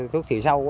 thuốc xì sâu